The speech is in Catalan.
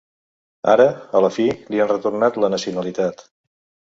Ara, a la fi, li han retornat la nacionalitat.